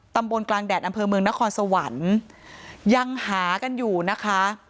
ตำบลกลางแดดอำเภอเมืองนครสวรรค์ยังหากันอยู่นะคะ